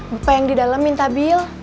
bapak yang di dalam minta bil